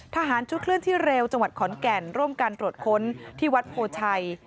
ทหารชุดเคลื่อนที่เร็วจังหวัดขอนแก่นร่วมกันตรวจค้นที่วัดโพชัย